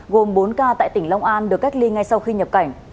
gồm bốn ca tại tỉnh long an được cách ly ngay sau khi nhập cảnh